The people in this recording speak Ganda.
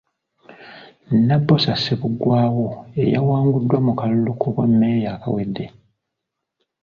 Nabbosa Ssebuggwawo eyawanguddwa mu kalulu k’obwammeeya akawedde.